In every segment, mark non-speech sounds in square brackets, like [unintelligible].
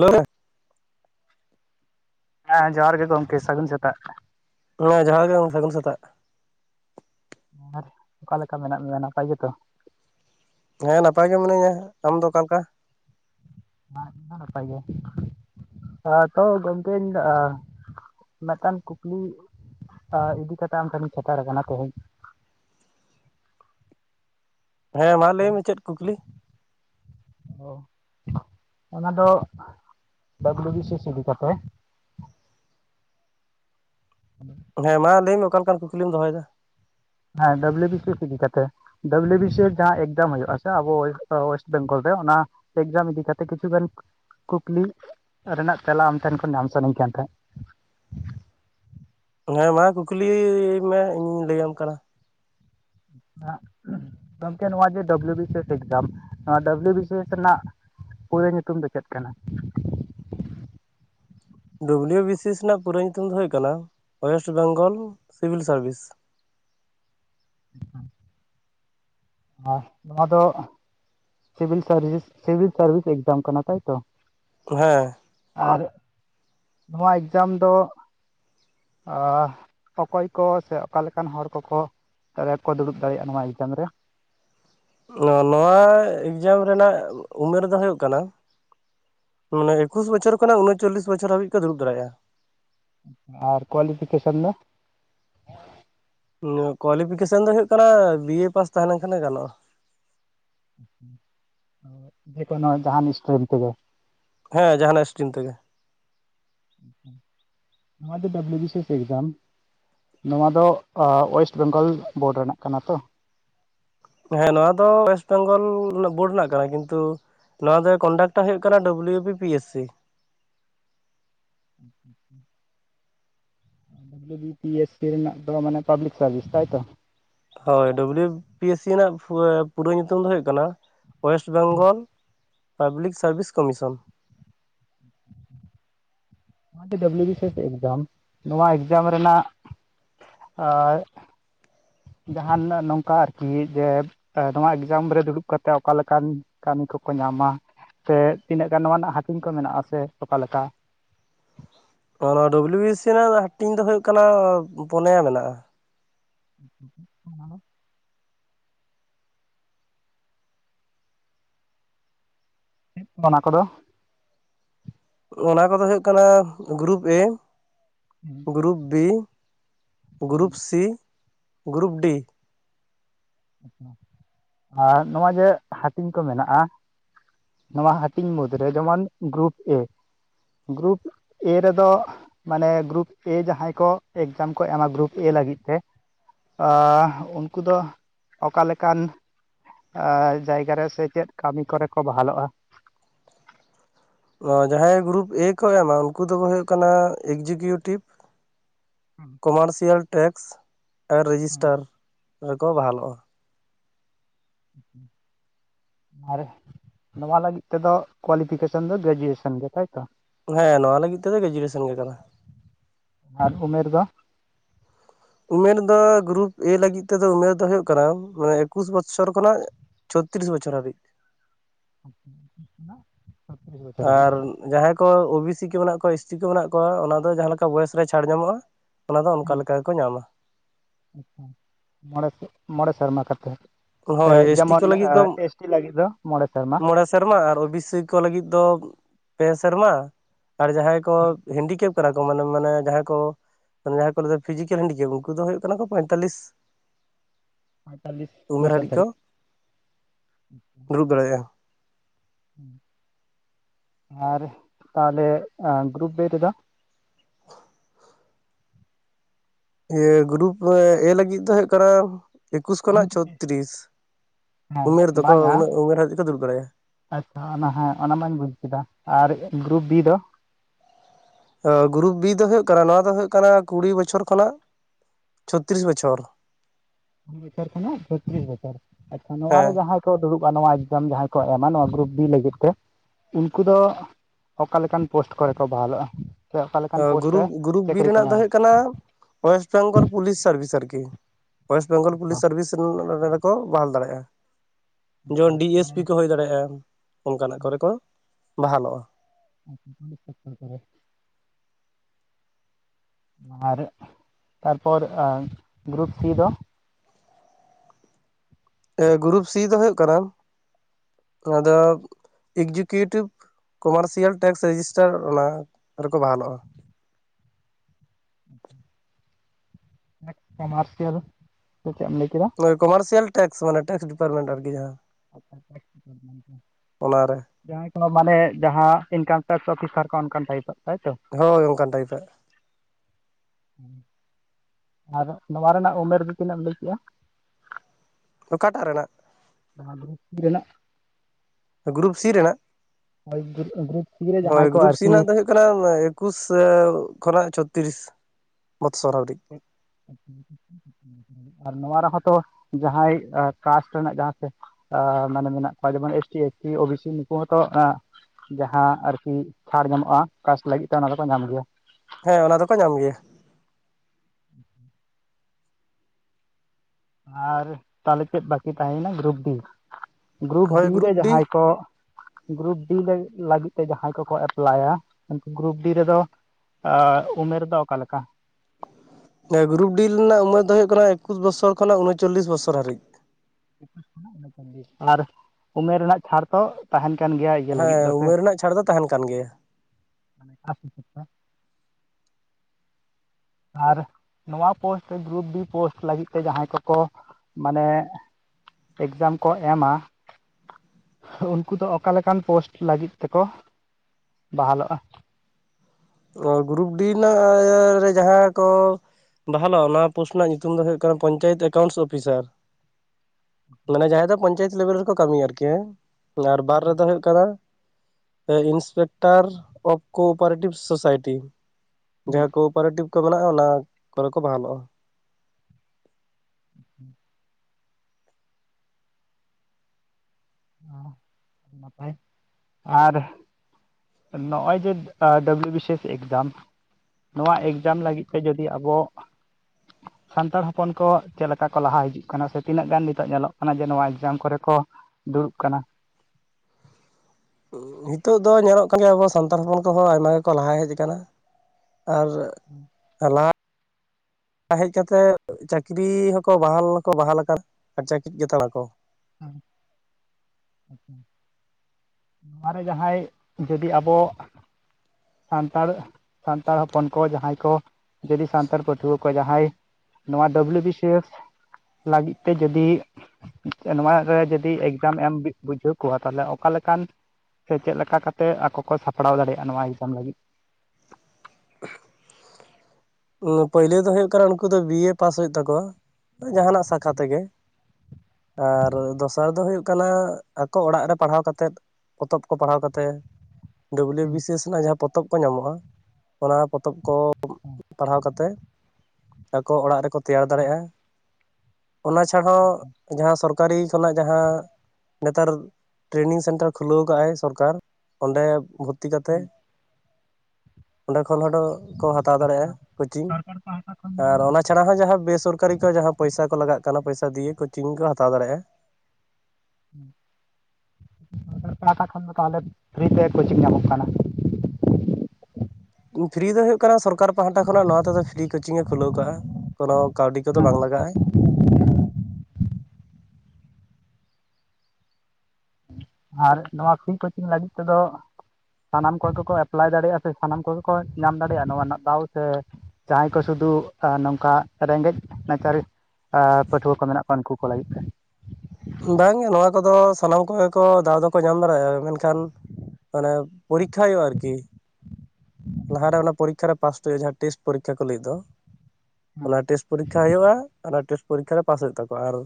Hello ᱦᱮᱸ ᱡᱚᱦᱟᱨ ᱜᱮ ᱜᱚᱢᱠᱮ ᱥᱟᱹᱜᱩᱱ ᱥᱮᱛᱟᱜ᱾ ᱦᱮᱸ ᱡᱚᱦᱟᱨ ᱜᱮ ᱜᱚᱝᱠᱮ ᱥᱟᱹᱜᱩᱱ ᱥᱟᱛᱟᱜ ᱾ ᱟᱨ ᱚᱠᱟ ᱞᱮᱠᱟ ᱢᱮᱱᱟᱜ ᱢᱮᱭᱟ ᱱᱟᱯᱟᱭ ᱜᱮᱛᱚ? ᱦᱮᱸ ᱱᱟᱯᱟᱭ ᱜᱮ ᱢᱤᱱᱟᱹᱧᱟ, ᱟᱢ ᱫᱚ ᱚᱠᱟ ᱞᱮᱠᱟ? ᱦᱮᱸ ᱱᱟᱯᱟᱭ ᱜᱮ ᱾ᱛᱚ ᱜᱚᱢᱠᱮᱧ [unintelligible] ᱢᱮᱫᱴᱟᱝ ᱠᱩᱠᱞᱤ ᱤᱫᱤ ᱠᱟᱛᱮ ᱟᱢ ᱴᱷᱮᱱᱤᱧ ᱥᱮᱴᱮᱨ ᱠᱟᱱᱟ ᱛᱮᱦᱮᱧ ᱾ ᱦᱮᱸ ᱢᱟ ᱞᱟᱹᱭᱢᱮ ᱪᱮᱫ ᱠᱩᱠᱞᱤ? ᱚ ᱚᱱᱟ ᱫᱚ ᱰᱟᱵᱞᱩ ᱵᱤ ᱥᱤ ᱮᱥ ᱤᱫᱤ ᱠᱟᱛᱮ᱾ ᱟᱫᱚ ᱦᱮᱸ ᱢᱟ ᱞᱟᱹᱭ ᱢᱮ ᱚᱠᱟ ᱞᱮᱠᱟᱱ ᱠᱩᱠᱞᱤᱢ ᱫᱚᱦᱚ ᱭᱮᱫᱟ ᱾ ᱦᱮᱸ ᱰᱟᱵᱞᱩ ᱵᱤ ᱥᱤ ᱮᱥ ᱤᱫᱤ ᱠᱟᱛᱮ ᱾ ᱰᱟᱵᱞᱤᱭᱩ ᱵᱤ ᱥᱤ ᱮᱥ ᱡᱟᱦᱟᱸ ᱮᱠᱡᱟᱢ ᱦᱩᱭᱩᱜᱼᱟ ᱥᱮ ᱟᱵᱚ ᱚᱭᱮᱥᱴ ᱵᱮᱝᱜᱚᱞ ᱨᱮ ᱚᱱᱟᱼᱼ ᱮᱠᱡᱟᱢ ᱤᱫᱤ ᱠᱟᱛᱮᱫ ᱠᱤᱪᱷᱩ ᱜᱟᱱ ᱠᱩᱠᱞᱤ ᱨᱮᱱᱟᱜ ᱛᱮᱞᱟ ᱟᱢ ᱴᱷᱮᱱ ᱠᱷᱚᱱ ᱧᱟᱢ ᱥᱟᱹᱱᱟᱧ ᱠᱟᱱ ᱛᱟᱦᱮᱸᱫ᱾ [inaudible] ᱦᱮᱸ ᱢᱟ ᱠᱩᱠᱞᱤᱭ ᱢᱮ ᱤᱧ ᱞᱟᱹᱭᱟᱢ ᱠᱟᱱᱟ ᱾ ᱜᱚᱢᱠᱮ ᱱᱚᱣᱟ ᱡᱮ W B C S exam, ᱱᱚᱣᱟ ᱰᱟᱵᱞᱤᱭᱩ ᱵᱤ ᱥᱤ ᱮᱥ ᱨᱮᱱᱟᱜᱼᱼ ᱯᱩᱨᱟᱹ ᱧᱩᱛᱩᱢ ᱫᱚ ᱪᱮᱫ ᱠᱟᱱᱟ? ᱰᱟᱵᱞᱤᱭᱩ ᱵᱤ ᱥᱤ ᱮᱥ ᱨᱮᱱᱟᱜ ᱯᱩᱨᱟᱹ ᱧᱩᱛᱩᱢ ᱫᱚ ᱦᱩᱭᱩᱜ ᱠᱟᱱᱟ ᱳᱭᱮᱥᱴ ᱵᱮᱝᱜᱚᱞ ᱥᱤᱵᱷᱤᱞ ᱥᱟᱨᱵᱷᱤᱥ ᱾ ᱦᱮ [unintelligible] ᱦᱚ ᱱᱚᱣᱟ ᱫᱚᱼᱼ civil service civil service exam ᱠᱟᱱᱟ ᱛᱟᱭᱛᱚ? ᱦᱮᱸ ᱟᱨ ᱱᱚᱣᱟ ᱮᱠᱡᱟᱢ ᱫᱚ ᱼᱼ ᱚᱠᱚᱭ ᱠᱚ ᱥᱮ ᱚᱠᱟ ᱞᱮᱠᱟᱱ ᱦᱚᱲ ᱠᱚᱠᱚᱼᱼ ᱥᱮᱨᱮᱯ ᱠᱚ ᱫᱩᱲᱩᱵ ᱫᱟᱲᱮ ᱭᱟᱜᱼᱟ ᱱᱚᱣᱟ ᱮᱠᱡᱟᱢ ᱨᱮ? ᱱᱚᱣᱟ ᱮᱠᱡᱟᱢ ᱨᱮᱱᱟᱜ ᱩᱢᱮᱨ ᱫᱚ ᱦᱩᱭᱩᱜ ᱠᱟᱱᱟᱼᱼ ᱢᱟᱱᱮ ᱮᱠᱩᱥ ᱵᱚᱪᱷᱚᱨ ᱠᱷᱚᱱᱟᱜ ᱩᱱᱚᱪᱚᱞᱞᱤᱥ ᱵᱚᱪᱷᱚᱨ ᱦᱟᱹᱵᱤᱡ ᱠᱚ ᱫᱩᱲᱩᱵ ᱫᱟᱲᱮᱭᱟᱜᱼᱟ᱾ ᱟᱨ ᱠᱳᱣᱟᱞᱤ ᱯᱷᱤᱠᱮᱥᱚᱱ ᱫᱚ? ᱠᱳᱣᱟᱞᱤᱯᱷᱤᱠᱮᱥᱚᱱ ᱫᱚ ᱦᱩᱭᱩᱜ ᱠᱟᱱᱟ ᱵᱤ ᱮ ᱯᱟᱥ ᱛᱟᱦᱮᱸ ᱞᱮᱱ ᱠᱷᱟᱱᱜᱮ ᱜᱟᱱᱚᱜᱼᱟ᱾ ᱡᱮ ᱠᱳᱱᱳ ᱡᱟᱦᱟᱱ ᱥᱴᱨᱤᱢ ᱛᱮᱜᱮ᱾ ᱦᱮᱸ ᱡᱟᱦᱟᱱᱟᱜ ᱤᱥᱴᱨᱤᱢ ᱛᱮᱜᱮ ᱾ ᱱᱚᱜᱼᱚᱭ ᱡᱮ W B C S exam ᱱᱚᱣᱟ ᱫᱚ ᱳᱭᱮᱥᱴ ᱵᱮᱝᱜᱚᱞ ᱵᱳᱨᱰ ᱨᱮᱱᱟᱜ ᱠᱟᱱᱟ ᱛᱚ᱾ ᱦᱮᱸ ᱱᱚᱣᱟ ᱫᱚ ᱚᱭᱮᱥᱴ ᱵᱮᱝᱜᱚᱞ ᱨᱮᱱᱟᱜ ᱵᱳᱰ ᱨᱮᱱᱟᱜ ᱠᱟᱱᱟ ᱠᱤᱱᱛᱩᱼᱼ ᱱᱚᱣᱟ ᱫᱚ ᱠᱚᱱᱰᱟᱠᱴᱟᱨ ᱦᱩᱭᱩᱜ ᱠᱟᱱᱟ ᱰᱟᱵᱽᱞᱤᱭᱩ ᱵᱤ ᱯᱤ ᱮᱥ ᱥᱤ᱾ [unintelligible] W B P S C ᱨᱮᱱᱟᱜ ᱫᱚ ᱢᱟᱱᱮ ᱯᱟᱵᱽᱞᱤᱠ ᱥᱟᱨᱵᱷᱤᱥ ᱛᱟᱭᱛᱚ? ᱦᱳᱭ ᱰᱟᱵᱽᱞᱤᱭᱩ ᱯᱤ ᱥᱤ ᱨᱮᱱᱟᱜ ᱯᱩᱨᱟᱹ, ᱯᱩᱨᱟᱹ ᱧᱩᱛᱩᱢ ᱫᱚ ᱦᱩᱭᱩᱜ ᱠᱟᱱᱟ West Bengal public service commission. W B C S exam, ᱱᱚᱣᱟ ᱮᱠᱡᱟᱢ ᱨᱮᱱᱟᱜ ᱮᱸ, ᱡᱟᱦᱟᱱᱟᱜ ᱱᱚᱝᱠᱟ ᱟᱨᱠᱤ ᱡᱮ, ᱱᱚᱣᱟ ᱮᱠᱡᱟᱢ ᱨᱮ ᱫᱩᱲᱩᱵ ᱠᱟᱛᱮᱜ ᱚᱠᱟ ᱞᱮᱠᱟᱱ ᱠᱟᱹᱢᱤ ᱠᱚᱠᱚ ᱧᱟᱢᱟ? ᱥᱮ ᱛᱤᱱᱟᱹᱜ ᱜᱟᱱ ᱱᱚᱣᱟ ᱨᱮᱱᱟᱜ ᱦᱟᱹᱴᱤᱧ ᱠᱚ ᱢᱮᱱᱟᱜ-ᱟ ᱥᱮ ᱚᱠᱟ ᱞᱮᱠᱟ? ᱚᱱᱟ ᱰᱟᱵᱽᱞᱩ ᱵᱤ ᱥᱤ ᱨᱮᱱᱟᱜ ᱦᱟᱹᱴᱤᱧ ᱫᱚ ᱦᱩᱭᱩᱜ ᱠᱟᱱᱟ ᱯᱚᱱᱭᱟ ᱢᱮᱱᱟᱜ-ᱟ᱾ [unintelligible] ᱢᱟᱱᱮ ᱟᱠᱚ ᱫᱚ? ᱚᱱᱟ ᱠᱚᱫᱚ ᱦᱩᱭᱩᱜ ᱠᱟᱱᱟ ᱜᱨᱩᱯ ᱮ᱾ ᱦᱩᱸ᱾ Group B, group C, group D. ᱟᱨ ᱱᱚᱣᱟ ᱡᱮ ᱦᱟᱹᱴᱤᱧ ᱠᱚ ᱢᱮᱱᱟᱜ-ᱟ᱾ ᱱᱚᱣᱟ ᱦᱟᱹᱴᱤᱧ ᱢᱩᱫᱽᱨᱮ ᱡᱮᱢᱚᱱ ᱜᱨᱩᱯ ᱮ᱾ ᱜᱨᱩᱯ ᱮ ᱨᱮᱫᱚ᱾ ᱢᱟᱱᱮ ᱜᱨᱩᱯ ᱮ ᱡᱟᱦᱟᱸᱭ ᱠᱚ ᱮᱠᱡᱟᱢ ᱠᱚ ᱮᱢᱟ ᱜᱨᱩᱯ ᱮ ᱞᱟᱹᱜᱤᱫ ᱛᱮ᱾ ᱟᱸᱻ ᱩᱱᱠᱩ ᱫᱚ᱾ ᱚᱠᱟ ᱞᱮᱠᱟᱱ ᱟᱸ ᱡᱟᱭᱜᱟ ᱨᱮ ᱥᱮ ᱪᱮᱫ ᱠᱟᱹᱢᱤ ᱠᱚᱨᱮ ᱠᱚ ᱵᱟᱦᱟᱞᱚᱜ-ᱟ? ᱱᱚᱣᱟ ᱡᱟᱦᱟᱸᱭ ᱜᱨᱩᱯ ᱮ ᱠᱚ ᱮᱢᱟ ᱩᱱᱠᱩ ᱫᱚᱠᱚ ᱦᱩᱭᱩᱜ ᱠᱟᱱᱟ ᱮᱠᱡᱤᱠᱤᱭᱩᱴᱤᱵᱽ᱾ ᱠᱚᱢᱟᱨᱥᱤᱭᱟᱞ ᱴᱮᱠᱥ ᱟᱨ ᱨᱮᱡᱤᱥᱴᱟᱨ ᱨᱮᱠᱚ ᱵᱟᱦᱟᱞᱚᱜ-ᱟ᱾ ᱟᱪᱪᱷᱟ᱾ ᱟᱨ ᱱᱚᱣᱟ ᱞᱟᱹᱜᱤᱫ ᱛᱮᱫᱚ ᱠᱚᱣᱟᱞᱤᱯᱷᱤᱠᱮᱥᱚᱱ ᱫᱚ ᱜᱨᱮᱡᱩᱭᱮᱥᱚᱱ ᱜᱮ ᱛᱟᱭᱛᱚ? ᱦᱮᱸ ᱱᱚᱣᱟ ᱞᱟᱹᱜᱤᱫ ᱛᱮᱫᱚ ᱜᱨᱮᱡᱩᱭᱮᱥᱚᱱ ᱜᱮ ᱠᱟᱱᱟ᱾ ᱟᱨ ᱩᱢᱮᱹᱨ ᱫᱚ? ᱩᱢᱮᱹᱨ ᱫᱚ ᱜᱨᱩᱯ ᱮ ᱞᱟᱹᱜᱤᱫ ᱛᱮᱫᱚ ᱩᱢᱮᱹᱨ ᱫᱚ ᱦᱩᱭᱩᱜ ᱠᱟᱱᱟ ᱢᱟᱱᱮ ᱮᱠᱩᱥ ᱵᱚᱪᱷᱚᱨ ᱠᱷᱚᱱᱟᱜ ᱪᱷᱚᱛᱛᱨᱤᱥ ᱵᱚᱪᱷᱚᱨ ᱦᱟᱵᱤᱡ᱾ [unintelligible] ᱥᱚᱛᱛᱨᱤᱥ ᱵᱚᱪᱷᱚᱨ ᱦᱟᱹᱵᱤᱡ ᱟᱨ ᱡᱟᱦᱟᱸᱭ ᱠᱚ ᱳ ᱵᱤ ᱥᱤᱤ ᱠᱚ ᱢᱮᱱᱟᱜ ᱠᱚᱣᱟ ᱮᱥ ᱴᱤ ᱠᱚ ᱠᱚ ᱢᱮᱱᱟᱜ ᱠᱚᱣᱟ ᱚᱱᱟ ᱫᱚ ᱡᱟᱦᱟᱸ ᱞᱮᱠᱟ ᱵᱚᱭᱮᱥ ᱨᱮ ᱪᱷᱟᱲ ᱧᱟᱢᱚᱜᱼᱟ ᱚᱱᱟ ᱫᱚ ᱚᱱᱠᱟ ᱞᱮᱠᱟ᱾ ᱠᱚ ᱧᱟᱢᱟ᱾ ᱟᱪᱪᱷᱟ ᱢᱚᱬᱮ, ᱢᱚᱬᱮ ᱥᱮᱨᱢᱟ ᱠᱟᱛᱮᱫ᱾ ᱦᱳᱭ ᱦᱮᱸ, ᱮᱥ ᱴᱤ ᱠᱚ ᱡᱮᱢᱚᱱ ᱞᱟᱹᱜᱤᱫ ᱫᱚ ᱮᱥ ᱴᱤ ᱞᱟᱹᱜᱤᱫ ᱫᱚ ᱢᱚᱬᱮ ᱥᱮᱨᱢᱟ᱾ ᱢᱚᱬᱮ ᱥᱮᱨᱢᱟ ᱟᱨ ᱳ ᱵᱤ ᱥᱤ ᱠᱚ ᱞᱟᱹᱜᱤᱫ ᱫᱚ ᱯᱮ ᱥᱮᱨᱢᱟ ᱟᱨ ᱡᱟᱦᱟᱸᱭ ᱠᱚ ᱦᱮᱱᱰᱤᱠᱮᱯ ᱠᱟᱱᱟ ᱠᱚ ᱢᱟᱱᱮ ᱢᱟᱱᱮ ᱡᱟᱦᱟᱸᱭ ᱠᱚ ᱡᱟᱦᱟᱸᱭ ᱠᱚ ᱞᱟᱹᱭᱫᱟ ᱯᱷᱤᱡᱤᱠᱮᱞ ᱦᱤᱱᱰᱤᱠᱮᱯ ᱩᱱᱠᱩ ᱫᱚ ᱦᱩᱭᱩᱜ ᱠᱟᱱᱟ ᱠᱚ ᱯᱚᱸᱭᱛᱟᱞᱞᱤᱥ᱾ ᱯᱚᱸᱭᱛᱟᱞᱞᱤᱥ ᱩᱢᱮᱨ ᱵᱚᱪᱷᱚᱨ ᱦᱟᱹᱨᱤᱡ ᱠᱚ ᱫᱷᱟᱨᱤᱡ᱾ ᱟᱪᱪᱷᱟ᱾ ᱫᱩᱲᱩᱵ ᱫᱟᱲᱮᱭᱟᱜ-ᱟ᱾ ᱟᱨ ᱛᱟᱦᱞᱮ ᱜᱨᱩᱯ ᱵᱮ ᱨᱮᱫᱚ? ᱤᱭᱟᱹ ᱜᱨᱩᱯ ᱮ ᱞᱟᱹᱜᱤᱫ ᱫᱚ ᱦᱩᱭᱩᱜ ᱠᱟᱱᱟ᱾ ᱮᱠᱩᱥ ᱠᱷᱚᱱᱟᱜ ᱪᱷᱚᱛᱛᱨᱤᱥ ᱦᱮᱸ ᱩᱢᱮᱨ ᱫᱚᱠᱚ, ᱵᱟᱝᱼᱟ ᱩᱱᱟᱹᱜ ᱩᱢᱮᱨ ᱦᱟᱨᱤᱡ ᱫᱚᱠᱚ ᱫᱩᱲᱩᱵ ᱫᱟᱲᱮᱭᱟᱜ-ᱟ᱾ ᱟᱪᱪᱷᱟ ᱚᱱᱟ ᱦᱮᱸ ᱚᱱᱟ ᱢᱟᱧ ᱵᱩᱡ ᱠᱮᱫᱟ ᱟᱨ ᱜᱨᱩᱯ ᱵᱤ ᱫᱚ? ᱚ, ᱜᱨᱩᱯ ᱵᱤ ᱫᱚ ᱦᱩᱭᱩᱜ ᱠᱟᱱᱟ, ᱱᱚᱣᱟ ᱫᱚ ᱦᱩᱭᱩᱜ ᱠᱟᱱᱟ ᱠᱩᱲᱤ ᱵᱚᱪᱷᱚᱨ ᱠᱷᱚᱱᱟᱜ᱾ ᱪᱷᱚᱛᱛᱨᱤᱥ ᱵᱚᱪᱷᱚᱨ᱾ ᱠᱩᱲᱤ ᱵᱚᱪᱷᱚᱨ ᱠᱷᱚᱱᱟᱜ ᱪᱚᱛᱨᱤᱥ ᱵᱚᱪᱷᱚᱨ? ᱟᱪᱪᱷᱟ ᱱᱚᱣᱟ ᱦᱮᱸ ᱨᱮ ᱡᱟᱦᱟᱸ᱾ ᱠᱚ ᱫᱩᱲᱩᱵ-ᱟ ᱱᱚᱣᱟ ᱮᱠᱡᱟᱢ ᱡᱟᱦᱟᱸᱭ ᱠᱚ ᱮᱢᱟ ᱱᱚᱣᱟ ᱜᱨᱩᱯ ᱵᱤ ᱞᱟᱹᱜᱤᱫ ᱛᱮ᱾ ᱩᱱᱠᱩ ᱫᱚ ᱚᱠᱟ ᱞᱮᱠᱟᱱ ᱯᱳᱥᱴ ᱠᱚᱨᱮ ᱠᱚ ᱵᱟᱦᱟᱞᱚᱜ-ᱟ? ᱦᱳᱭ, ᱜᱨᱩᱯ, ᱜᱨᱩᱯ ᱵᱤ ᱨᱮᱱᱟᱜ ᱫᱚ ᱦᱩᱭᱩᱜ ᱠᱟᱱᱟ᱾ ᱚᱭᱮᱥᱴ ᱪᱮᱝᱜᱚᱞ ᱯᱩᱞᱤᱥ ᱥᱟᱨᱵᱷᱤᱥ ᱟᱨᱠᱤ ᱚᱭᱮᱥᱴ ᱵᱮᱝᱜᱚᱞ ᱯᱩᱞᱤᱥ ᱵᱰ, ᱚ [unintelligible] ᱵᱟᱦᱟᱞ ᱫᱟᱲᱜ-ᱟ ᱡᱚᱱ ᱰᱤ ᱮᱥ ᱯᱤ ᱢᱟᱱᱮ ᱠᱚ ᱦᱳᱭ ᱫᱟᱲᱮᱭᱟᱜ-ᱟ ᱾ ᱚᱱᱠᱟᱱᱟᱜ ᱠᱚᱨᱮ ᱠᱚ ᱵᱟᱦᱟᱞᱚᱜᱼᱟ ᱾ [unintelligible] ᱟᱨᱮᱜ ᱛᱟᱨᱯᱚᱨ ᱟᱭ ᱜᱨᱩᱯ ᱥᱤ ᱫᱚ? ᱜᱨᱩᱯ ᱥᱤ ᱫᱚ ᱦᱳᱭᱳᱜ ᱠᱟᱱᱟ ᱱᱚᱣᱟᱫᱚ ᱤᱠᱡᱩᱠᱤᱭᱩᱴᱩᱵᱷ ᱾ ᱠᱚᱢᱟᱨᱥᱤᱭᱟᱞ ᱴᱮᱠᱥ ᱨᱮᱡᱤᱥᱴᱟᱨ ᱚᱱᱟ ᱨᱮᱠᱚ ᱵᱟᱦᱟᱞᱚᱜ-ᱟ ᱾ ᱠᱟᱢᱟᱨᱥᱤᱭᱟᱹᱞ ᱥᱮ ᱪᱮᱫ ᱮᱢ ᱞᱟᱹᱭ ᱠᱮᱫᱟ ᱾ ᱠᱚᱢᱚᱨᱥᱤᱭᱟᱞ ᱴᱮᱠᱥ ᱢᱟᱱᱮ ᱴᱮᱠᱥ ᱰᱤᱯᱟᱨ ᱢᱮᱱ ᱟᱨᱠᱤ ᱡᱟᱦᱟᱸ ᱾ [unintelligible] ᱾ ᱡᱟᱦᱟᱸᱭ ᱠᱟᱱᱟ ᱢᱟᱛᱮ ᱤᱱᱠᱟᱢ ᱴᱮᱠᱥ ᱚᱯᱷᱤᱥᱟᱨ ᱚᱱᱠᱟᱱ ᱴᱟᱭᱤᱯᱟᱜ ᱛᱟᱭᱛᱚ ᱾ ᱦᱳᱭ ᱚᱱᱠᱟᱱ ᱴᱟᱭᱤᱯᱟᱜ ᱾ ᱟᱨ ᱱᱚᱣᱟ ᱨᱮᱱᱟᱜ ᱩᱢᱟᱨ ᱫᱚ ᱛᱤᱱᱟᱹᱜ ᱮᱢ ᱞᱟᱹᱭ ᱠᱮᱜ-ᱟ? ᱛᱚ ᱠᱟᱴᱟᱜ ᱨᱮᱱᱟᱜ ᱾ ᱡᱚᱦᱟ ᱫᱚ ᱵᱤ ᱨᱮᱱᱟᱜ ᱾ ᱜᱨᱩᱯ ᱥᱤ ᱨᱮᱱᱟᱜ ᱾ [unintelligible] ᱜᱨᱩᱯ ᱥᱤᱨᱮ ᱡᱟᱦᱟᱸᱭ ᱠᱚ ᱜᱨᱩᱯ ᱥᱤ ᱟᱨᱠᱤ ᱨᱮᱱᱟᱜ ᱫᱚ ᱦᱩᱭᱩᱜ ᱠᱟᱱᱟ ᱮᱠᱩᱥ ᱥᱮ ᱠᱷᱚᱱᱟᱜ ᱪᱷᱚᱛᱨᱤᱥ ᱵᱚᱛᱥᱚᱨᱵᱤᱡ ᱴᱷᱤᱠ [inaudible] ᱟᱨ ᱱᱚᱣᱟ ᱨᱮᱦᱚᱸ ᱛᱚ ᱡᱟᱦᱟᱸᱭ ᱟ ᱠᱟᱥᱴ ᱨᱮᱱᱟᱜ ᱡᱟᱦᱟᱸᱛᱮ, ᱟ ᱢᱟᱱᱮ ᱢᱮᱱᱟᱜ ᱠᱚᱣᱟ ᱡᱮᱢᱚᱱ S T O B C ᱱᱩᱠᱩ ᱦᱚᱸᱛᱚ ᱟ ᱡᱟᱦᱟᱸ ᱟᱨᱠᱤ ᱠᱷᱟᱲ ᱧᱟᱢᱚᱜᱼᱟ ᱠᱟᱥ ᱞᱟᱹᱜᱤᱫ ᱛᱮ ᱚᱱᱟ ᱫᱚᱠᱚ ᱧᱟᱢ ᱜᱮᱭᱟ᱾ ᱦᱮᱸ ᱚᱱᱟ ᱫᱚ ᱠᱚ ᱧᱟᱢ ᱜᱮᱭᱟ, [unintelligible] ᱟᱨ ᱛᱟᱦᱚᱞᱮ ᱪᱮᱫ ᱵᱟᱠᱤ ᱛᱟᱦᱮᱭᱱᱟ ᱜᱨᱩᱯ ᱰᱤ ᱜᱨᱩᱯ ᱰᱤ ᱨᱮ ᱡᱟᱦᱟᱸᱭ ᱠᱚ ᱜᱨᱩᱯ ᱰᱤ ᱞᱟᱹᱜᱤᱫ ᱛᱮ ᱡᱟᱦᱟᱸᱭ ᱠᱚᱠᱚ ᱮᱯᱞᱟᱭ-ᱟ ᱩᱱᱠᱩ ᱜᱨᱩᱯ ᱰᱤ ᱨᱮᱫᱚ ᱟᱻ ᱩᱢᱮᱨ ᱫᱚ ᱚᱠᱟ ᱞᱮᱠᱟ? ᱜᱨᱩᱯ ᱰᱤ ᱨᱮᱱᱟᱜ ᱩᱢᱟᱹᱨ ᱫᱚ ᱦᱩᱭᱩᱜ ᱠᱟᱱᱟ ᱮᱠᱩᱥ ᱵᱚᱪᱷᱚᱨ ᱠᱷᱚᱱᱚ ᱩᱱᱚᱪᱚᱞᱞᱤᱥ ᱵᱚᱪᱷᱚᱨ ᱦᱟᱹᱨᱤᱡ, ᱟᱨ ᱩᱢᱮᱨ ᱨᱮᱱᱟᱜ ᱪᱷᱟᱲ ᱛᱚ, ᱛᱟᱦᱮᱱ ᱠᱟᱱ ᱜᱮᱭᱟ ᱤᱭᱟ ᱞᱟᱹᱜᱤᱫ ᱦᱮᱸ ᱫᱚ ᱥᱮ ᱩᱢᱮᱨ ᱨᱮᱱᱟᱜ ᱪᱷᱟᱲ ᱫᱚ ᱛᱟᱦᱮᱱ ᱠᱟᱱ ᱜᱮᱭᱟ ᱟ, ᱟᱨ ᱱᱚᱣᱟ ᱯᱳᱥᱴ ᱨᱮ ᱜᱨᱩᱯ ᱵᱤ ᱯᱳᱥᱴ ᱞᱟᱹᱜᱤᱫ ᱛᱮ ᱡᱟᱦᱟᱸᱭ ᱠᱚᱠᱚ ᱢᱟᱱᱮ ᱮᱠᱡᱟᱢ ᱠᱚ ᱮᱢᱟ ᱛᱚ ᱩᱱᱠᱩ ᱫᱚ ᱚᱠᱟ ᱞᱮᱠᱟᱱ ᱯᱳᱥᱴ ᱞᱟᱹᱜᱤᱫ ᱛᱮᱠᱚ ᱵᱟᱦᱟ ᱞᱚᱜ-ᱟ᱾ ᱜᱨᱩᱯ ᱰᱤ ᱨᱮᱱᱟᱜᱻ ᱨᱮ ᱡᱟᱦᱟᱸ ᱠᱚᱻᱻ ᱵᱟᱦᱟᱞᱚ ᱚᱱᱟ ᱯᱳᱥᱴ ᱨᱮᱱᱟᱜ ᱧᱩᱛᱩᱢ ᱫᱚ ᱦᱩᱭᱩᱜ ᱠᱟᱱᱟ ᱯᱚᱧᱪᱟᱭᱮᱛ ᱮᱠᱟᱣᱩᱱᱴᱥ ᱚᱯᱤᱥᱟᱨ᱾ ᱢᱟᱱᱮ ᱡᱟᱦᱟᱸᱭ ᱫᱚ ᱯᱚᱧᱪᱟᱭᱮᱛ ᱞᱮᱵᱮᱞ ᱨᱮᱠᱚ ᱠᱟᱹᱢᱤᱭᱟ ᱟᱨᱠᱤ ᱦᱮᱸ ᱟᱨ ᱵᱟᱨ ᱨᱮᱫᱚ ᱦᱩᱭᱩᱜ ᱠᱟᱱᱟ᱾ Inspector of cooperative society. ᱡᱟᱦᱟᱸ ᱠᱳᱯᱟᱨᱮᱴᱤᱵᱷ ᱠᱚ ᱢᱮᱱᱟᱜ-ᱟ ᱚᱱᱟ ᱠᱚᱨᱮ ᱠᱚ ᱵᱟᱦᱟᱞᱚᱜ-ᱟ᱾ [inaudible] ᱟᱨᱻᱻ ᱱᱚᱜ-ᱚᱭ ᱡᱮ ᱰᱚᱵᱞᱩ ᱵᱤ ᱥᱮᱠ ᱮᱠᱡᱟᱢ ᱱᱚᱣᱟ ᱮᱠᱡᱟᱢ ᱞᱟᱹᱜᱤᱫ ᱛᱮ ᱡᱩᱫᱤ ᱟᱵᱚ ᱥᱟᱱᱛᱟᱲ ᱦᱚᱯᱚᱱ ᱠᱚ ᱪᱮᱫ ᱞᱮᱠᱟ ᱠᱚ ᱞᱟᱦᱟ ᱦᱤᱡᱩᱜ ᱠᱟᱱᱟ ᱥᱮ ᱛᱤᱱᱟᱹᱜ ᱜᱟᱱ ᱱᱤᱛᱚᱜ ᱧᱮᱞᱚᱜ ᱠᱟᱱᱟ ᱡᱮ ᱱᱚᱣᱟ ᱮᱠᱡᱟᱢ ᱠᱚᱨᱮ ᱠᱚᱻᱻ ᱫᱩᱲᱩᱵ ᱠᱟᱱᱟ, ᱱᱤᱛᱚᱜ ᱫᱚ ᱧᱮᱞᱚᱜ ᱠᱟᱱ ᱜᱮᱭᱟ ᱟᱵᱚ ᱥᱟᱱᱛᱟᱲ ᱦᱚᱯᱚᱱ ᱠᱚᱦᱚᱸ ᱟᱭᱢᱟ ᱜᱮᱠᱚ ᱞᱟᱦᱟ ᱦᱮᱡ ᱠᱟᱱᱟ ᱟᱨᱻᱻ [inaudible] ᱛᱟᱞᱟ ᱦᱮᱡ ᱠᱟᱛᱮ ᱪᱟᱠᱨᱤ ᱦᱚᱸᱠᱚ ᱵᱟᱦᱟᱞ ᱫᱚᱠᱚ ᱵᱟᱦᱟᱞ ᱟᱠᱟᱱᱟ ᱟᱨ ᱪᱟᱹᱠᱨᱤ ᱜᱮᱛᱟᱲᱟ ᱟᱠᱚ ᱟᱬᱚ [unintelligible] ᱚᱱᱟ ᱨᱮ ᱡᱟᱦᱟᱸᱭ ᱡᱩᱫᱤ ᱟᱵᱚ ᱥᱟᱱᱛᱟᱲ, ᱥᱟᱱᱛᱟᱲ ᱦᱚᱯᱚᱱ ᱠᱚ ᱡᱟᱦᱟᱸᱭ ᱠᱚ ᱡᱩᱫᱤ ᱥᱟᱱᱛᱟᱲ ᱯᱟᱹᱴᱷᱩᱣᱟᱹ ᱠᱚ ᱡᱟᱦᱟᱸᱭ᱾ ᱱᱚᱣᱟ ᱰᱟᱵᱽᱞᱩ ᱵᱤ ᱥᱤ ᱮᱥ ᱞᱟᱹᱜᱤᱫ ᱛᱮ ᱡᱚᱫᱤ ᱱᱚᱣᱟ ᱨᱮ ᱡᱚᱫᱤ ᱮᱠᱡᱟᱢ ᱮᱢ ᱵᱩᱡᱷᱟᱹᱣ ᱠᱚᱣᱟ᱾ᱛᱟᱦᱞᱮ ᱚᱠᱟᱞᱮᱠᱟᱱ ᱥᱮ ᱪᱮᱫ ᱞᱮᱠᱟ ᱠᱟᱛᱮ ᱟᱠᱚ ᱠᱚ ᱥᱟᱯᱲᱟᱣ ᱫᱟᱲᱮᱭᱟᱜᱼᱟ᱾ ᱱᱚᱣᱟ ᱮᱠᱡᱟᱢ ᱞᱟᱹᱜᱤᱫ᱾ ᱯᱳᱭᱞᱳ ᱫᱚ ᱦᱳᱭᱳᱜ ᱠᱟᱱᱟ ᱱᱩᱠᱩ ᱫᱚ ᱵᱤᱭᱮ ᱯᱟᱥ ᱦᱳᱭᱳᱜ ᱛᱟᱠᱚᱣᱟ᱾ ᱡᱟᱦᱟᱸᱱᱟᱜ ᱥᱟᱠᱷᱟ ᱛᱮᱜᱮ ᱟᱨ ᱫᱚᱥᱟᱨ ᱫᱚ ᱦᱩᱭᱩᱜ ᱠᱟᱱᱟ ᱟᱠᱚ ᱚᱲᱟᱜ ᱨᱮ ᱯᱟᱲᱦᱟᱣ ᱠᱟᱛᱮᱫ᱾ ᱯᱚᱛᱚᱵ ᱠᱚ ᱯᱟᱲᱦᱟᱣ ᱠᱟᱛᱮ᱾ ᱰᱩᱵᱞᱤ ᱵᱤᱥᱤᱥ ᱨᱮᱱᱟᱜ ᱡᱟᱦᱟᱸ ᱯᱚᱛᱚᱵᱽ ᱠᱚ ᱧᱟᱢᱚᱜᱼᱟ᱾ ᱚᱱᱟ ᱯᱚᱛᱚᱵ ᱠᱚ ᱯᱟᱲᱦᱟᱣ ᱠᱟᱛᱮᱫ ᱟᱠᱚ ᱚᱲᱟᱜ ᱨᱮᱠᱚ ᱛᱮᱭᱟᱨ ᱫᱟᱲᱮᱭᱟᱜᱼᱟ᱾ ᱚᱱᱟ ᱪᱷᱟᱲ ᱦᱚᱸ ᱡᱟᱦᱟᱸ ᱥᱚᱨᱠᱟᱨᱤ ᱠᱷᱚᱱᱟᱜ ᱡᱟᱦᱟᱸ ᱱᱮᱛᱟᱨ ᱴᱨᱮᱱᱤᱝ ᱥᱮᱱᱴᱟᱨ ᱠᱷᱩᱞᱟᱹᱣ ᱟᱠᱟᱫᱼᱟᱭ ᱥᱚᱨᱠᱟᱨ ᱚᱸᱰᱮ ᱛᱤ ᱠᱟᱛᱮ ᱚᱸᱰᱮ ᱠᱷᱚᱱ ᱦᱚᱸ ᱠᱚ ᱦᱟᱛᱟᱣ ᱟᱪᱪᱷᱟ ᱫᱟᱲᱮᱭᱟᱜᱼᱟ᱾ ᱠᱳᱪᱤᱝ ᱥᱚᱨᱠᱟᱨ ᱯᱟᱦᱴᱟ ᱠᱷᱚᱱ ᱫᱚ ᱟᱨ ᱚᱱᱟ ᱪᱷᱟᱲᱟ ᱪᱷᱟᱲᱟ ᱦᱚᱸ ᱡᱟᱦᱟᱸ ᱵᱮᱥᱚᱨᱠᱟᱨᱤ ᱠᱚ ᱡᱟᱦᱟᱸ ᱯᱚᱭᱥᱟ ᱠᱚ ᱞᱟᱜᱟᱜ ᱠᱟᱱᱟ᱾ ᱯᱚᱭᱥᱟ ᱫᱤᱭᱮ ᱠᱳᱪᱤᱝ ᱠᱚ ᱦᱟᱛᱟᱣ ᱫᱟᱲᱮᱭᱟᱜᱼᱟ᱾ [unintelligible] ᱠᱷᱚᱱ ᱫᱚ ᱛᱟᱦᱚᱞᱮ ᱯᱷᱨᱤ ᱛᱮ ᱠᱳᱪᱤᱝ ᱧᱟᱢᱚᱜ ᱠᱟᱱᱟ᱾ ᱯᱷᱤᱨᱤ ᱫᱚ ᱦᱩᱭᱩᱜ ᱠᱟᱱᱟ ᱥᱚᱨ ᱠᱟᱨ ᱯᱟᱦᱴᱟ ᱠᱷᱚᱱᱟᱜ ᱱᱚᱣᱟ ᱛᱮᱫᱚ ᱯᱷᱨᱤ ᱠᱳᱪᱝ ᱮ ᱠᱷᱩᱞᱟᱹᱣ ᱠᱟᱜᱼᱟ᱾ ᱠᱳᱱᱳ ᱠᱟᱹᱣᱰᱤ ᱠᱚᱫᱚ ᱵᱟᱝ ᱞᱟᱜᱟᱜᱼᱟ᱾ [inaudible] ᱟᱨ ᱱᱚᱣᱟ ᱯᱷᱨᱤ ᱠᱳᱪᱤᱝ ᱞᱟᱹᱜᱤᱫ ᱛᱮᱫᱚ᱾ ᱥᱟᱱᱟᱢ ᱠᱚᱜᱮᱠᱚ ᱮᱯᱞᱟᱭ ᱫᱟᱲᱮᱭᱟᱜᱼᱟ᱾ ᱥᱮ ᱥᱟᱱᱟᱢ ᱠᱚᱜᱮ ᱠᱚ ᱧᱟᱢ ᱫᱟᱲᱮᱭᱟᱜᱼᱟ᱾ ᱱᱚᱣᱟ ᱨᱮᱱᱟᱜ ᱫᱟᱣ ᱥᱮ ᱡᱟᱦᱟᱸᱭ ᱠᱚ ᱥᱩᱫᱩ ᱱᱚᱝᱠᱟ ᱨᱮᱸᱜᱮᱡ ᱱᱟᱪᱟᱨ ᱟ ᱯᱟᱹᱴᱷᱩᱣᱟᱹ ᱠᱚ ᱢᱮᱱᱟᱜ ᱠᱚᱣᱟ ᱩᱱᱠᱩ ᱠᱚ ᱞᱟᱹᱜᱤᱫ ᱛᱮ᱾ ᱵᱟᱝᱜᱮ ᱱᱚᱣᱟ ᱠᱚᱫᱚ ᱥᱟᱱᱟᱢ ᱠᱚᱜᱮ ᱠᱚ ᱫᱟᱣ ᱫᱚᱠᱚ ᱧᱟᱢ ᱫᱟᱲᱮᱭᱟᱜᱼᱟ᱾ ᱢᱮᱱᱠᱷᱟᱱ ᱢᱟᱱᱮ ᱯᱚᱨᱤᱠᱠᱷᱟ ᱦᱳᱭᱳᱜᱼᱟ᱾ ᱟᱨᱠᱤ ᱞᱟᱦᱟᱨᱮ ᱚᱱᱟ ᱯᱚᱨᱤᱠᱷᱟ ᱨᱮ ᱯᱟᱥᱴ ᱦᱩᱭᱩᱜᱼᱟ᱾ᱡᱟᱦᱟᱸ ᱴᱮᱥᱴ ᱯᱚᱨᱤᱠᱷᱟ ᱠᱚ ᱞᱟᱹᱭᱮᱜᱼᱫᱚ, ᱚᱱᱟ ᱴᱮᱥᱴ ᱯᱚᱨᱤᱠᱷᱟ ᱦᱩᱭᱩᱜᱼᱟ᱾ ᱚᱱᱟ ᱴᱮᱥᱴ ᱯᱚᱨᱤᱠᱠᱷᱟ ᱨᱮ ᱯᱟᱥ ᱦᱩᱭᱩᱜ ᱛᱟᱠᱚᱣᱟ ᱾ᱟᱨ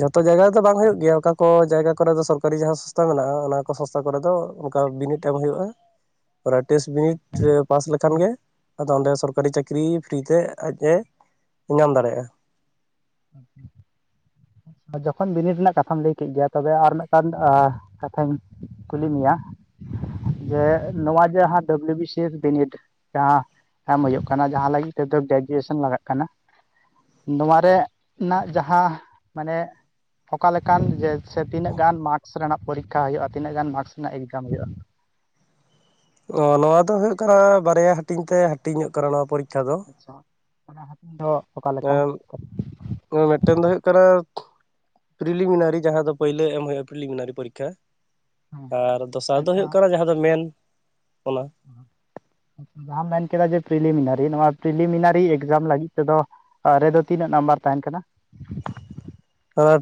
ᱡᱷᱚᱛᱚ ᱡᱟᱭᱜᱟ ᱨᱮᱫᱚ ᱵᱟᱝ ᱦᱩᱭᱩᱜ ᱜᱮᱭᱟ, ᱚᱠᱟ ᱠᱚ ᱡᱟᱭᱜᱟ ᱠᱚᱨᱮ ᱫᱚ ᱥᱚᱨᱟᱨᱤ ᱡᱟᱦᱟᱸ ᱥᱚᱝᱥᱛᱷᱟ ᱢᱮᱱᱟᱜᱼᱟ᱾ ᱚᱱᱟ ᱠᱚ ᱥᱚᱝᱥᱛᱷᱟ ᱠᱚᱨᱮᱫ ᱫᱚ ᱚᱱᱠᱟ ᱵᱤᱱᱤᱰ ᱮᱢ ᱦᱩᱭᱩᱜᱼᱟ᱾ ᱚᱱᱟ ᱴᱮᱥᱴ ᱵᱤᱱᱤᱴ ᱯᱟᱥ ᱞᱮᱠᱷᱟᱱ ᱜᱮ ᱟᱫᱚ ᱚᱸᱰᱮ ᱥᱚᱨᱠᱟᱨᱤ ᱪᱟᱹᱠᱨᱤ ᱯᱷᱨᱤ ᱛᱮ ᱟᱡ ᱮ ᱧᱟᱢ ᱫᱟᱲᱮᱭᱟᱜᱼᱟ᱾ [inaudible] ᱡᱚᱠᱷᱚᱱ ᱵᱤᱱᱤᱰ ᱨᱮᱱᱟᱜ ᱠᱟᱛᱷᱟᱢ ᱞᱟᱹᱭ ᱠᱮᱫ ᱜᱮᱭᱟ ᱛᱚᱵᱮ ᱟᱨ ᱢᱤᱫᱴᱟᱝ ᱟ ᱠᱟᱛᱷᱟᱧ ᱠᱩᱞᱤ ᱢᱮᱭᱟ ᱡᱮ ᱱᱚᱣᱟ ᱡᱟᱸᱦᱟ ᱰᱟᱵᱞᱩ ᱵᱤ ᱥᱤ ᱮᱥ ᱵᱤᱱᱤᱰ ᱡᱟᱦᱟᱸ ᱮᱢ ᱦᱩᱭᱩᱜ ᱠᱟᱱᱟ ᱡᱟᱦᱟᱸ ᱞᱟᱹᱜᱤᱫ ᱛᱮᱫᱚ ᱜᱨᱮᱡᱩᱭᱮᱥᱚᱱ ᱞᱟᱜᱟᱜ ᱠᱟᱱᱟ᱾ ᱱᱚᱣᱟ ᱨᱮ ᱱᱟᱜ ᱡᱟᱦᱟᱸ ᱢᱟᱱᱮ ᱚᱠᱟ ᱞᱮᱠᱟᱱ ᱡᱮ ᱥᱮ ᱛᱤᱱᱟᱹᱜ ᱜᱟᱱ ᱢᱟᱨᱠᱥ ᱨᱮᱱᱟᱜ ᱯᱚᱨᱤᱠᱠᱷᱟ ᱦᱩᱭᱩᱜᱼᱟ ᱛᱤᱱᱟᱹᱜ ᱜᱟᱱ ᱢᱟᱨᱠᱥ ᱨᱮᱱᱟᱜ ᱮᱠᱡᱟᱢ ᱦᱩᱭᱩᱜᱼᱟ? ᱚ ᱱᱚᱣᱟ ᱫᱚ ᱦᱩᱭᱩᱜ ᱠᱟᱱᱟ ᱵᱟᱨᱭᱟ ᱦᱟᱹᱴᱤᱧ ᱛᱮ ᱦᱟᱹᱴᱤᱧᱚᱜ ᱠᱟᱱᱟ ᱱᱚᱣᱟ ᱯᱚᱨᱤᱠᱠᱷᱟ ᱫᱚ᱾ [unintelligible] ᱦᱟᱹᱴᱤᱧ ᱫᱚ ᱚᱠᱟ ᱞᱮᱠᱟ? ᱦᱳᱭ ᱢᱤᱫᱴᱮᱱ ᱫᱚ ᱦᱩᱭᱩᱜᱭᱜ ᱠᱟᱱᱟ᱾ ᱯᱤᱞᱤᱢᱤᱱᱟᱨᱤ ᱡᱟᱦᱟᱸ ᱫᱚ ᱯᱳᱭᱞᱳ ᱮᱢ ᱦᱩᱭᱩᱜᱼᱟ᱾ ᱯᱨᱤᱤᱞᱤᱢᱤᱱᱟᱨᱤ ᱯᱚᱨᱤᱠᱠᱷᱟ᱾ ᱦᱮᱸ ᱟᱨ ᱫᱚᱥᱟᱨ ᱫᱚ ᱟᱪᱪᱷᱟ ᱦᱩᱭᱩᱜ ᱠᱟᱱᱟ ᱡᱟᱦᱟᱸ ᱫᱚ ᱢᱮᱱ ᱚᱱᱟ᱾ ᱡᱟᱦᱟᱸᱟᱢ ᱢᱮᱱ ᱠᱮᱫᱟ ᱡᱮ ᱯᱨᱤᱞᱤᱢᱤᱱᱟᱨᱤ, ᱱᱚᱣᱟ ᱯᱨᱤᱞᱤᱢᱤᱱᱟᱨᱤ ᱮᱠᱡᱟᱢ ᱞᱟᱹᱜᱤᱫ ᱛᱮᱫᱚ, ᱨᱮᱫᱚ ᱛᱤᱱᱟᱹᱜ ᱱᱟᱢᱵᱟᱨ ᱛᱟᱦᱮᱸᱱ ᱠᱟᱱᱟ?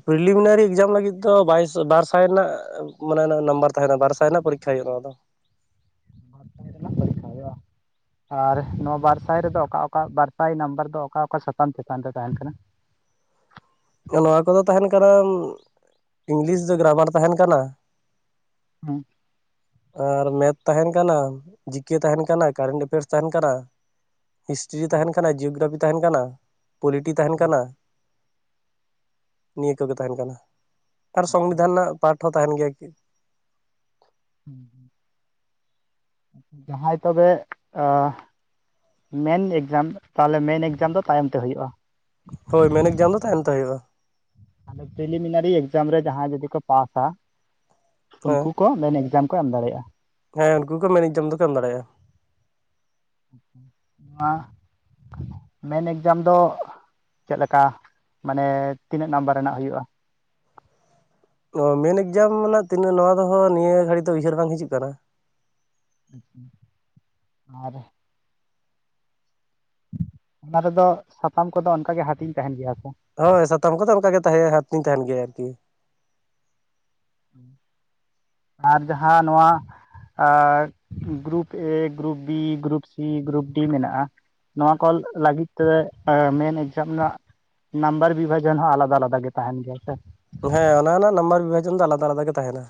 ᱯᱤᱞᱤᱢᱤᱱᱟᱨᱤ ᱮᱠᱡᱟᱢ ᱞᱟᱹᱜᱤᱫ ᱫᱚ, ᱵᱟᱨ ᱥᱟᱭ ᱨᱮᱱᱟᱜ ᱢᱟᱱᱮ ᱱᱟᱢᱵᱟᱨ ᱛᱟᱦᱮᱸᱱᱟ ᱵᱟᱨ ᱥᱟᱭ ᱨᱮᱱᱟᱜ ᱯᱳ ᱠᱷᱟᱱ ᱦᱩᱭᱩᱼᱟ ᱱᱚᱭᱟ ᱫᱚ ᱾ ᱨᱮᱱᱟᱜ ᱯᱚᱨᱤᱠᱠᱷᱟ ᱦᱩᱭᱩᱜᱼᱟ᱾ ᱟᱨ ᱱᱚᱣᱟ ᱵᱟᱨ ᱥᱟᱭ ᱨᱮᱫᱚ ᱚᱠᱟ ᱚᱠᱟ ᱵᱟᱨᱥᱟᱭ ᱱᱟᱢᱵᱟᱨ ᱫᱚ ᱚᱠᱟ ᱚᱠᱟ ᱥᱟᱛᱟᱢ ᱪᱮᱛᱟᱱ ᱨᱮ ᱛᱟᱦᱮᱸᱱ ᱠᱟᱱᱟ? ᱱᱚᱣᱟ ᱠᱚᱫᱚ ᱛᱟᱦᱮᱸᱱ ᱠᱟᱱᱟ, ᱤᱝᱞᱤᱥ ᱫᱚ ᱜᱨᱟᱢᱟᱨ ᱛᱟᱦᱮᱸᱱ ᱠᱟᱱᱟ᱾ ᱦᱩᱸ ᱟᱨ ᱢᱮᱛᱷ ᱛᱟᱦᱮᱱ ᱠᱟᱱᱟ, ᱡᱤᱠᱮ ᱛᱟᱦᱮᱱ ᱠᱟᱱᱟ, ᱠᱟᱨᱮᱱᱴ ᱮᱯᱷᱮᱭᱟᱨᱥ ᱛᱟᱦᱮᱱ ᱠᱟᱱᱟ᱾ ᱦᱤᱥᱴᱨᱤ ᱛᱟᱦᱮᱱ ᱠᱟᱱᱟ, ᱡᱤᱭᱳᱜᱨᱟᱯᱷᱤ ᱛᱟᱦᱮᱱ ᱠᱟᱱᱟ, ᱯᱚᱞᱤᱴᱤ ᱛᱟᱦᱮᱱ ᱠᱟᱱᱟ᱾ ᱱᱤᱭᱟᱹ ᱠᱚᱜᱮ ᱛᱟᱦᱮᱱ ᱠᱟᱱᱟ ᱟᱨ ᱥᱚᱝᱵᱤᱫᱷᱟᱱ ᱨᱮᱱᱟᱜ ᱯᱟᱴ ᱦᱚᱸ ᱛᱟᱦᱮᱸᱱ ᱜᱮᱭᱟ ᱠᱤᱼᱼ ᱦᱩᱸ-ᱦᱩᱸ ᱡᱟᱦᱟᱸᱭ ᱛᱚᱵᱮ ᱟᱸᱼᱼ ᱢᱮᱱ ᱮᱠᱡᱟᱢ ᱛᱟᱦᱚᱞᱮ ᱢᱮᱱ ᱮᱠᱡᱟᱢ ᱫᱚ ᱛᱟᱭᱚᱢ ᱛᱮ ᱦᱩᱭᱩᱜ-ᱟ᱾ ᱦᱳᱭ ᱢᱮᱱ ᱮᱠᱡᱟᱢ ᱫᱚ ᱛᱟᱭᱚᱢ ᱛᱮ ᱦᱩᱭᱩᱜ-ᱟ᱾ ᱯᱤᱞᱤᱢᱤᱱᱟᱨᱤ ᱮᱠᱡᱟᱢ ᱨᱮ ᱡᱟᱸᱦᱟᱭ ᱡᱩᱫᱤ ᱠᱚ ᱯᱟᱥ ᱟᱼᱼ ᱩᱱᱠᱩ ᱦᱮᱸ ᱠᱚ ᱢᱮᱱ ᱮᱠᱡᱟᱢ ᱠᱚ ᱮᱢ ᱫᱟᱲᱮᱭᱟᱜ-ᱟ᱾ ᱦᱮᱸ ᱩᱱᱠᱩ ᱠᱚ ᱢᱮᱱ ᱮᱠᱡᱟᱢ ᱫᱚᱠᱚ ᱮᱢ ᱫᱟᱲᱮᱭᱟᱜ-ᱟ᱾ ᱱᱚᱣᱟ ᱢᱮᱱ ᱮᱠᱡᱟᱢ ᱫᱚᱼᱼ ᱪᱮᱫ ᱞᱮᱠᱟ ᱢᱟᱱᱮ ᱛᱤᱱᱟᱹᱜ ᱱᱟᱢᱵᱟᱨ ᱨᱮᱱᱟᱜ ᱦᱩᱭᱩᱜ-ᱟ? ᱚ ᱢᱮᱱ ᱮᱠᱡᱟᱢ ᱨᱮᱱᱟᱜ ᱛᱤᱱᱟᱹᱜ ᱱᱚᱣᱟ ᱫᱚ ᱦᱟᱸᱜ ᱱᱤᱭᱟᱹ ᱜᱷᱟᱹᱲᱤᱡ ᱫᱚ ᱩᱭᱦᱟᱹᱨ ᱵᱟᱝ ᱦᱤᱡᱩᱜ ᱠᱟᱱᱟ! ᱟᱪᱪᱷᱟ ᱟᱨᱼᱼ ᱚᱱᱟ ᱨᱮᱫᱚ ᱥᱟᱛᱟᱢ ᱠᱚᱫᱚ ᱚᱱᱠᱟ ᱜᱮ ᱦᱟᱹᱴᱤᱧ ᱛᱟᱦᱮᱱ ᱜᱮᱭᱟ ᱥᱮ? ᱦᱳᱭ ᱥᱟᱛᱚᱢ ᱠᱚᱫᱚ ᱚᱱᱠᱟᱜᱮ ᱛᱟᱦᱮᱸ ᱦᱟᱨᱴᱤᱧ ᱛᱟᱦᱮᱸᱱ ᱜᱮᱭᱟ ᱟᱨᱠᱤ᱾ ᱟᱨ ᱡᱟᱦᱟᱸ ᱱᱚᱣᱟᱼᱼ ᱟᱨ group A group B group C group D ᱢᱮᱱᱟᱜ-ᱟᱼᱼ ᱱᱚᱣᱟ ᱠᱚ ᱞᱟᱹᱜᱤᱫ ᱛᱮ ᱮᱸ ᱢᱮᱱ ᱮᱠᱡᱟᱢ ᱨᱮᱱᱟᱜᱼᱼ ᱱᱟᱢᱵᱟᱨ ᱵᱤᱵᱷᱟᱡᱚᱱ ᱦᱚᱸ ᱟᱞᱟᱫᱟ ᱟᱞᱟᱫᱟ ᱜᱮ ᱛᱟᱦᱮᱸᱱ ᱜᱮᱭᱟ ᱥᱮ? ᱦᱮᱸ ᱚᱱᱟ ᱦᱚᱸ ᱦᱟᱸᱜ ᱱᱟᱢᱵᱟᱨ ᱵᱤᱵᱷᱟᱡᱚᱱ ᱫᱚ ᱟᱞᱟᱫᱟ ᱟᱞᱟᱫᱟ ᱜᱮ ᱛᱟᱦᱮᱸᱱᱟ᱾